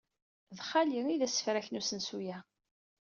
D xali ay d asefrak n usensu-a.